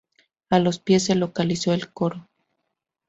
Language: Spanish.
A los pies se localiza el coro.